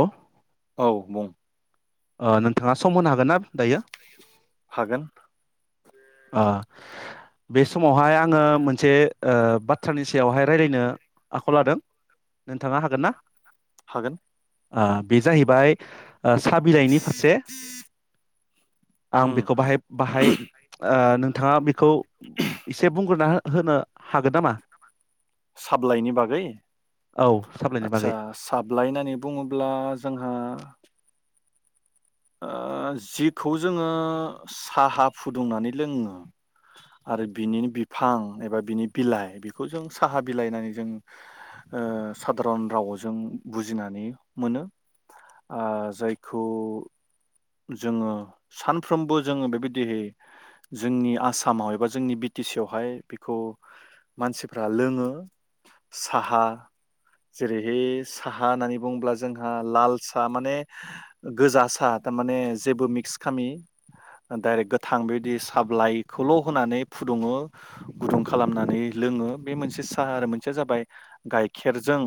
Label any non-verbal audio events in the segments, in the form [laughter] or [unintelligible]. औ औ बं ओ नोंथाङा सम होनो हागोन ना दायो हागोन अ बे समावहाय आङो मोनसे ओ बाथ्रानि सायावहाय रायज्लायनो आखायाव लादों नोंथांया हागोन ना हागोन ओ बे जाहैबाय साबिदायनि फारसे आं बेखौ उम बाहाय बाहाय ओ नोंथाङा बेखौ एसे बुंग्रोना होनो हागोन नामा [unintelligible] औ साब्लायनि बागै [unintelligible] ओ जिखौ जोङो साहा फुदुंनानै लोङो आरो बिनिनो बिफां एबा बिनि बिलाइ बेखौ जों साहा बिलाइ होननानै जों ओ सादारन राव जों बुजिनानै मोनो ओ जायखौ जोंङो सानफ्रोमबो जोंङो बेबायदि जोंनि आसामाव एबा जोंनि बि टि सि आवहाय बेखौ मानसिफ्रा लोंङो साहा जेरै बे साहा होननानै बुंङोब्ला जोंहा लाल आसा माने गोजा सार जेबो मिक्स खामि दायरेक गोथां बेदि सा बिलाइ खौल' होनानै फुुदुंङो गुदुं खालामनानै लोंङो बे मोनसे आरो मोनसे जाबाय गायखेरजों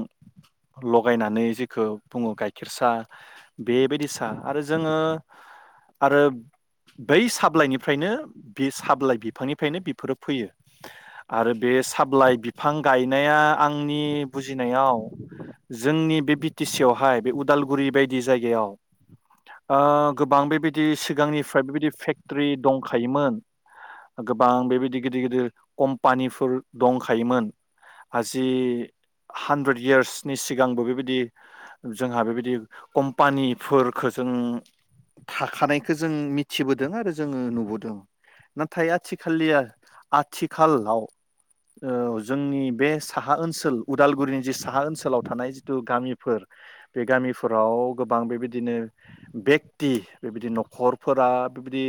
लायनानै जेखौ बुंङो गाइखेर साहा बेबायदि सा जोंङो आरो बै साब्लाइनिफ्रायनो बे साबलाइ बिफांनिफ्रायनो बेफोरो फैयो आरो बे साबलाइ बिफां गायनाया आं बुजिनायाव जोंनि बे बि टि सि आवहाय बे उदालगुरि बायदि जायगायाव गोबां बेबायदि सिगांनिफ्राय बेबायदि फेक्ट म्रि दंखायोमोन गोबां बेबायदि गिदिर गिदिर कम्पानिफोर दंखायोमोन आजि हानद्रेद इयार्सनि सिगांबो बेबायदि जोंहा बेबायदि कम्पानिफोरखौ जों थाखानायखौ जों मिथिबोदों आरो जोंङो नुबोदों नाथाय आथिखया आथिखालाव जोंनि बे साहा ओनसोल उदालगुरिनि जि साहा ओनसोल ओनसोलाव थानाय गामिफोर बे गामिफोराव गोबां बेबायदिनो बेक्ति बेबायदि न'खरफोरा बेबायदि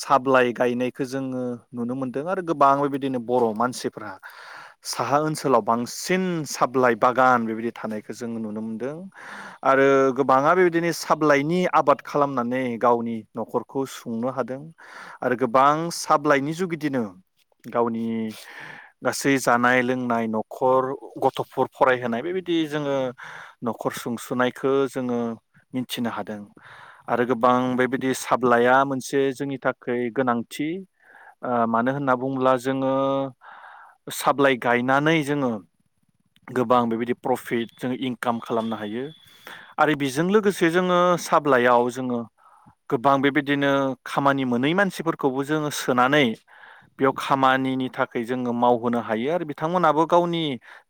साब्लइ गायनायखौ जोंङो नुनो मोन दों आरो गोबां बेबायदिनो बर' मानसि फोरा साहा ओनसोलाव बांसिन सापलाइ बागान बेबायदि थानायखौ जों नुनो मोनद दों आरो गोबांङानो बेबायदिनो साबलाइनि‌ आबाद खालामनानै गावनि न'खरखौ सुंनो हादों आरो गोबां साबलाइनि जुगिदिनो गावनि गासै जानाय लोंनाय न'खर गथ'फोर फरायहोनाय बेबायदि जोंङो न'खर सुंसुनायखौ जोंङो मिथिनो हादों। आरो गोबां बेबायदि साब्लाया मोनसे जोंनि थाखाय गोनांथि मानो होनना बुंङोब्ला जोंङो साबिलाइ गायनानै जोंङो गोबां बेबायदि प्रफिट जोंङ इनकाम खालामनो हायो। आरो बेजों लोगोसे जोङो साब ब्लालाइ आव जोंङों गोबां बे बायदिनो खामानि मोनै मानसिफोरखौबो जोङो सोनानै बेयाव खामानिनि थाखाय जोङो मावबोनो हायो आरो बिथांमोनाबो गावनि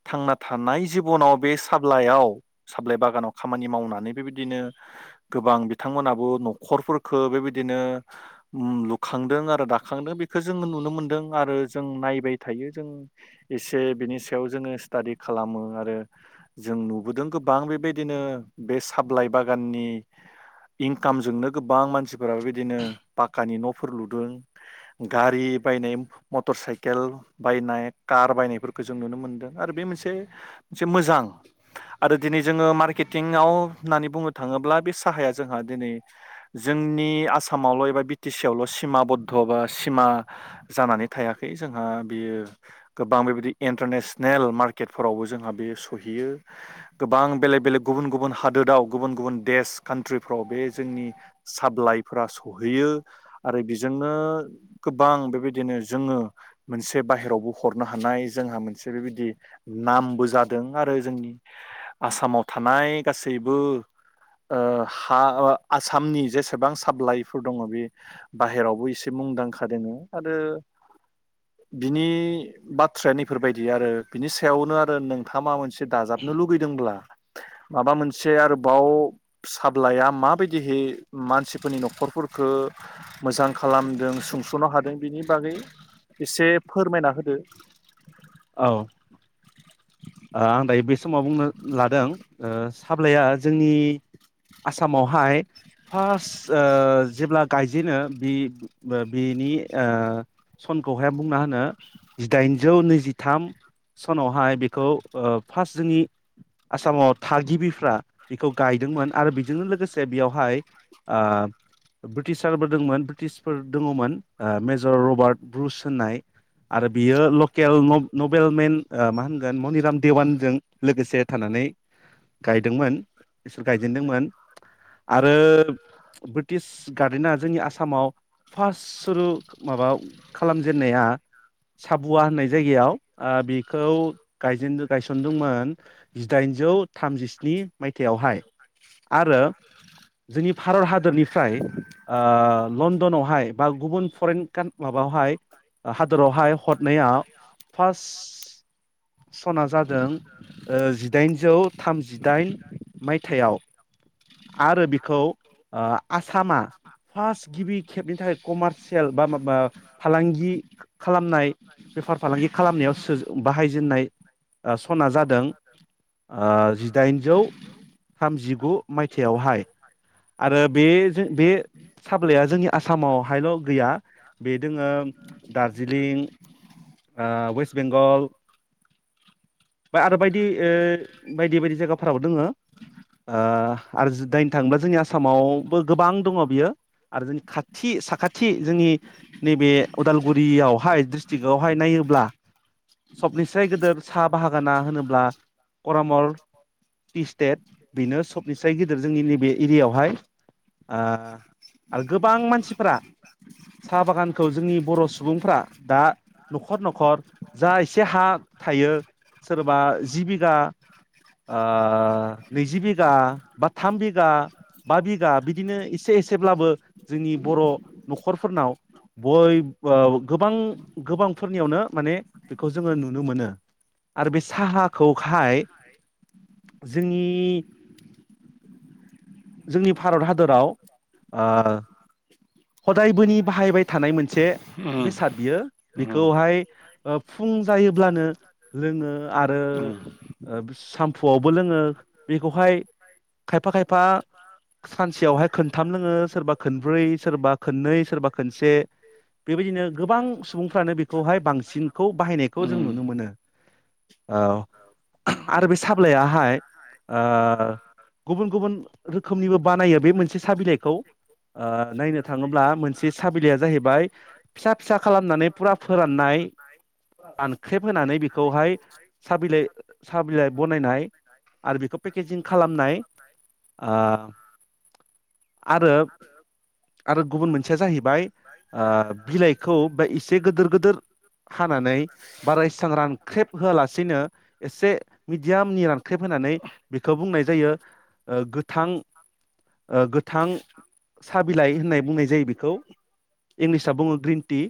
थांना थानाय जि बनाव बे साब्लायाव साब्लाइ बागानाव खामानि मावना नै बे बायदिनो गोबां बिथांमोनाबो न'खरफोरखो बे बायदिनो उम लुखांदों आरो दाखांदों बेखौ जों नुनो मोनदों आरो जों नायबाय थायो जों एसे बिनि सायाव जोङो स्टादि खालामो आरो जों नु बोदों गोबां बे बायदिनो बेस थाबलाइ बागाननि इनकामजोंनो गोबां मानसिफोराबो बिदिनो पा कानि न'फोर लुदों गारि बायनाय मटर साइकेल बायनाय कार बायनायफोरखौ जों नुनो मोनदों आरो बे मोनसे मोनसे मोजां आरो दिनै जोङो मार्केटिंआव होननानै बुंनो थांङोब्ला बे साहाया जोंहा दिनै जोंनि आसामावल' एबा बिटि सि आवल' सिम ब्ध बा सिमा जानानै थायाखै जोंहा बेयो गोबां बे बायदि इन्टारनेसनेल मार्केटफोरावबो जोंहा बेयो सहैयो गोबां बेलेग बेलेग गुबुन गुबुन हादोराव गुबुन गुबुन देश खानथ्रिफ्राव बे जोंनि साब्लाइफोरा सहैयो आरो बेजोंनो गोबां बे बायदिनो जों ओ मोनसे बायेरावबो हरनो हानाय जोंहा मोनसे बे बायदि नामबो जादों आरो जोंनि आसामाव थानाय गासैबो ओ हा आसामनि जेसेबां सापलाइफोर दङ बे बाहेरावबो एसे मुंदांखा दङ आरो बिनि बाथ्राय नैफोरबायदि आरो बिनि सायावनो आरो नोंथांङा मोनसे दाजाबनो लुगैदोंब्ला माबा मोनसे आरोबाव साब्लाया माबायदिहै मानसिफोरनि न'खरफोरख मोजां खालामदों सुंस'नो हादों बिनि बागै एसे फोरमायना होदो औ [inaudible] आं दायो बे समाव बुंनो लादों साब्लाया जोंनि आसामावहाय फार्स्ट ओ जेब्ला गायजेनो बि बेनि ओ सन खौहाय बुंनो हायो ओ जिदाइजौ नैजिथाम सनावहाय खौ ओ फार्स्ट जोंनि आसामाव थागिबिफ्रा बेखौ गायदोंमोन आरो बेजोंनो लोगोसे बेयावहाय ओ ब्रिटिसारबो दंमोन ब्रिटिसफोर दङमोन ओ मेजर रबार्ट ब्रुस होननाय आरो बियो लकेल न नबेल मेन ओ मनिराम देवान जों लोगोसे थानानै गायदोंमोन बिसोर गायजेनदोंमोन आरो ब्रिटिश गार्डेना जोंनि आसामाव फार्स्ट सुरु माबा खालामजेननाया साबुवा होननाय जायगायाव आ बि खौ गायजेनदो गायसनदोंमोन जिदाइनजौ थामजिस्नि मायथायावहाय आरो जोंनि भारत हादरनिफ्राय आ लण्डनावहाय बा गुबुन फरेन कान माबावहाय हादरावहाय हदनायाव पास्ट स'ना जादों ओ जिदाइनजौ थामजिदाइन मायथायाव आरो बिखौ ओ आस सामा फार्स्ट गिबि खेबनि थाखाय कमारसियेल बा माबा फालांगि खा-खालामनाय बेफार फालांगि खालामनायाव सो बाहायजेननाय आ सना जादों आ जिदाइनजौ थामजिगु मायथाइयावहाय आरो बे जो बे साफ्लाया जोंनि आसामावहायल' गैया बे दोङो दार्जिलिं ओ वेस्ट बेंगल बा आरो बायदि ओ बायदि बायदि जायगाफोराव दोङो आ आरो दायनो थाङोब्ला जोंनि आसामावबो गोबां दङ बियो आरो जोंनि खाथि साखाथि जोंनि नैबे उदालगुरियावहाय ड्रिस्ट्रिकआवहाय नायोब्ला सबनिसायय गेदेर सा बाहागाना होनोब्ला करामर टि स्टेट बेनो सबनिसाय गिदिर जोंनि नैबे एरियाआवहाय आ गोबां मानसिफ्रा साहा बागानखौ जोंनि बर' सुबुंफ्रा दा न'खर न'खर जा एसे हा थायो सोरबा जि बिघा ओ नैजि बिगा बा थाम बिघा बा बिगा बिदिनो एसे एसेब्लाबो जोंनि बर' न'खरफोरनाव बय ओ गोबां गोबांफोरनियावनो माने बेखौ जोङो नुनो मोनो आरो बे साहाखौहाय जोंनि जोंनि भारत हादोराव आ हदायबोनि बाहायबाय थानाय मोनसे बेसाद बियो बेखौहाय ओफ फुं जायोब्लानो रोङो आरो ओ साम्फुआवबो लोङो बेखौहाय खायफा खायफा सानसेयावहाय खोनथाम लोङो सोरबा खनब्रै सोरबा खननै सोरबा खोनसे बेबायदिनो गोबां सुबुंफ्रानो बि खौहाय बांसिनखौ बाहायनाय खौ जों नुनो मोनो ओ आरो बे साबलाइयाहाय ओ गुबुन गुबुन रोखोमनिबो बानायो बे मोनसे साबिलाइखौ ओ नायनो थाङोब्ला मोनसे साबिलाइया जाहैबाय फिसा फिसा खालामनानै [inaudible] ख्रेब होनानै बि खौहाय साहबिलाय साबिलाय बनायनाय आरो बेखौ पेकेजिं खालामनाय ओ आरो आरो गुबुन मोनसेया जाहैबाय ओ बिलाइखौ बा एसे गोदिर गोदिर हानानै बाराएसां रान ख्रेब होआलासेनो एसे मिडियामनि रानख्रेब होनानै बेखौ बुंनाय जायो ओ गोथां ओ गोथां सा बिलाइ होननाय बुंनाय जायो बेखौ इंलिसआ बुङो ग्रिन टि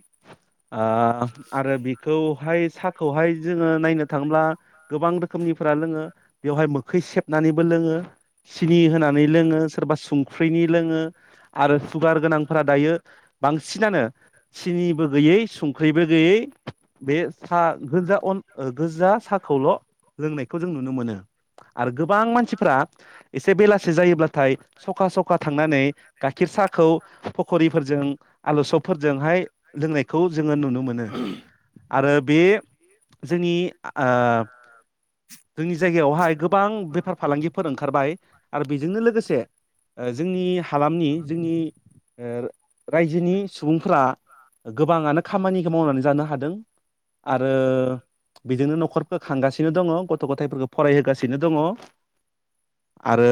ओ आरो बेखौहाय साखौहाय जोङो नायनो थाङोब्ला गोबां रोखोमनिफोरा लोङो बेवहाय मोखै सेबनानैबो लोङो सिनि होनानै लोङो सोरबा संख्रिनि लोङो आरो सुगार गोनांफोरा दायो बांसिनानो सिनिबो गैयै संख्रिब बो गैयै बे सा गोजा कन ओ गोजा साखौल' लोंनायखौ जों नुनो मोनो आरो गोबां मानसिफ्रा एसे बेलासे जायोब्लाथाय सखा सखा थांनानै गाइखेर साहखौ फखरिफोरजों आलुसफफोरजोंहाय लोंनाय खौ जोङो नुनो मोनो आरो बे जोंनि ओ जोंनि जाय गायावहाय गोबां बेफार फालांगिफोर ओंखारबाय आरो बेजोंनोलो लोगोसे ओ जोंनि हालामनि जोंनि ओ रायजोनि सुबुंफोरा गोबाङानो खामानिखौ मावनानै जानो हादों आरो बेजोंनो न'खरखौ खांगासिनो दङ गथ' गथायफोरखौ फरायहोगासिनो दङ आरो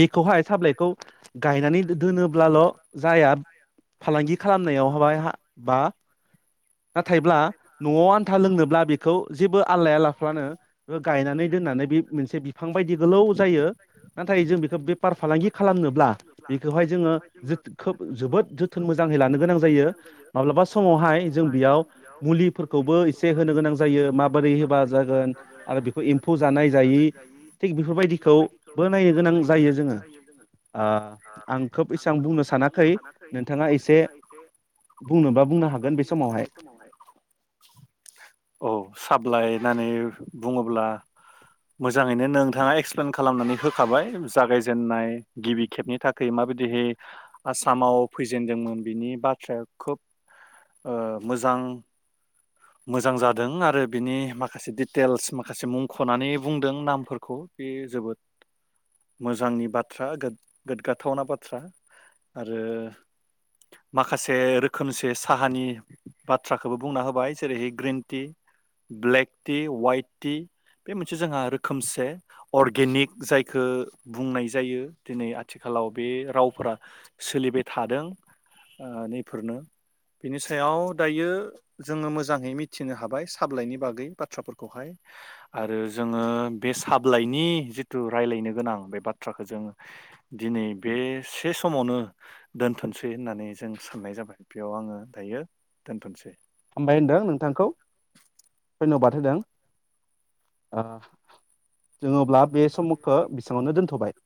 बेखौहाय साबलाइखौ गायनानै दोनोब्लाल' जाया फालांगि खालामनायाव हाबाय ह बा नाथायब्ला न'आव आन्था लोंनोब्ला बेखौ जेबो आल लायालाफानो गायनानै दोननानै बे मोनसे बिफां बायदि गोलौ जायो नाथाय जों बेखौ बेफार फालांगि खालामनोब्ला बेखौहाय जोङो खोब जोबोद जोथोन मोजाङै लानो गोनां जायो माब्लाबा समावहाय जों बेयाव हुलिफोरखौबो मुलिफोरखौबो ब एसे होनो गोनां एबा जायो माबोरै जागोन होबा जागोन जानायजानाय आरो बेखौ जायि एम्फौ जानाय थि जायि बे थिग बदि बेफोरबायदिखौबो नाय नायनो गोनां होन जायो जोङो स ओ हायो आं जोङो खोब एसेबां बुंनो मोजांना सानाखै होनना नोंथाङा सानाखैाा एसे बङोबा बुंनोबा बुंनो हागोन बे [unintelligible] समावहाय औ साब्लायनानै बुङोब्ला मोजाङैनो नोंथाङा एक्सप्लेन खालामनानै होखाबाय जागायजेननाय गिबि खेबनि थाख माबायदिहै आसामाव फैजेनदोंमोन बिनि बाथ्राया खोब मोजां मोजां जादों आरो बिनि माखासे माखासे दिडिटेल्स माखासे मुंख'नानै बुंदों नामफोरखौ खौ बे जोबोद मोजांनि बाथ्रा [inaudible] गोदगाथावना बाथ्रा आरो माखासे रोखोमसे साहानि बाथ्राखोबो बुंना होबाय जेरैहै green tea black tea white tea बे मोनसे जोंहा रोखोमसे अर्गेनिक जायखो बुंनाय जायो दिनै आथिखालाव बे रावफोरा सोलिबाय थादों ओ नैफोरनो बिनि सायाव दायो जोङो मोजाङै मिथिनो हाबाय साबलायनि बागै बाथ्राफोरखौहाय आरो जोङो बे साबलाइनि जिद थु रायलायनो गोनां बे बाथ्राखोन्दोजों दिनै बे से समावनो दोनथ'सै होननानै जों साननाय जाबाय बेयाव आङो दायो दोनथ'सै हामबाय होनदों नोंथांखौ धन्यबाद होदों अ जोङो अब्ला बे सममखो एसेयावनो दोनथ'बाय